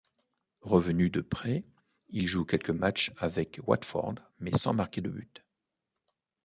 Revenu de prêt, il joue quelques matchs avec Watford mais sans marquer de buts.